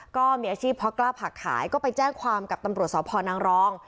ก็มีอาชีพเพราะกล้าผักขายก็ไปแจ้งความกับตำรวจสพนางรอง